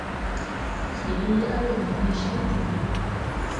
Fǐi yaʼ wɛr ɗee ciŋ tigriŋ.